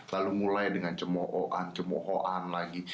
lalu mulai dengan cemoh oan cemoh oan lagi